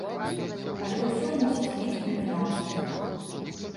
Але ўсё мусіць мець кульмінацыю!